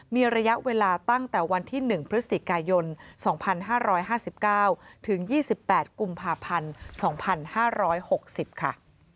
มีระยะเวลาตั้งแต่วันที่๑พฤศจิกายน๒๕๕๙ถึง๒๘กุมภาพันธ์๒๕๖๐ค่ะ